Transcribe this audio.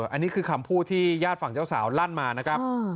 อันนี้คือคำพูดที่ญาติฝั่งเจ้าสาวลั่นมานะครับ